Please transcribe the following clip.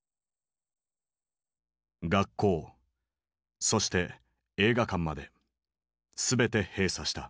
学校そして映画館まで全て閉鎖した。